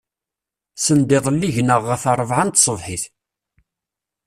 Sendiḍelli gneɣ ɣef ṛṛabɛa n tṣebḥit.